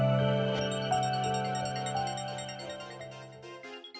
tidak ada yang mau diberi alih